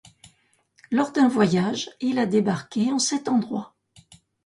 Lors d'un voyage, il a débarqué en cet endroit.